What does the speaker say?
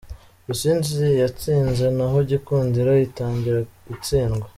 Rusizi yatsinze naho Gikundiro itangira itsindwa